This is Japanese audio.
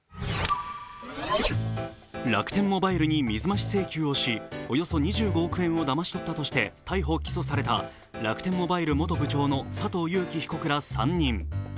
楽天モバイルに水増し請求をし、およそ２５億円をだまし取ったとして逮捕・起訴された楽天モバイル元社長の佐藤友紀被告ら３人。